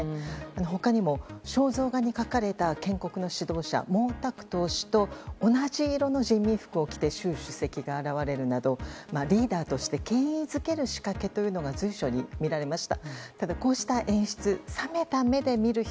他にも肖像画に描かれた建国の指導者・毛沢東氏の同じ色の人民服を着て習主席が現れるなどリーダーとして権威付ける仕掛けが随所に見られました。